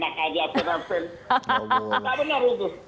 tidak benar rufus